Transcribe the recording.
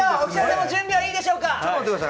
準備はいいでしょうか？